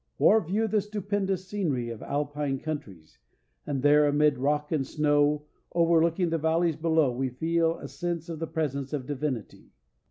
Or view the stupendous scenery of Alpine countries, and there, amid rock and snow, overlooking the valleys below, we feel a sense of the presence of Divinity.